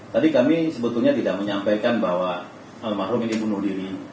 tadi kami sebetulnya tidak menyampaikan bahwa almarhum ini bunuh diri